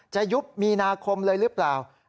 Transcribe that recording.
จะยุบมีนาคมเลยรึเปล่า